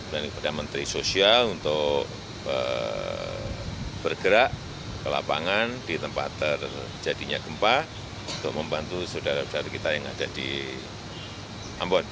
dan kepada menteri sosial untuk bergerak ke lapangan di tempat terjadinya gempa untuk membantu saudara saudara kita yang ada di ambon